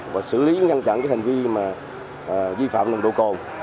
và xử lý ngăn chặn cái hành vi mà vi phạm nồng độ cồn